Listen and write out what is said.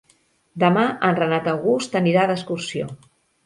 Demà en Renat August anirà d'excursió.